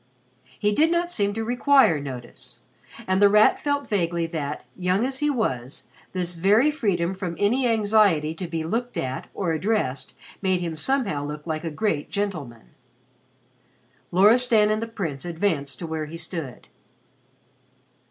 He did not seem to require notice, and The Rat felt vaguely that, young as he was, this very freedom from any anxiety to be looked at or addressed made him somehow look like a great gentleman. Loristan and the Prince advanced to where he stood.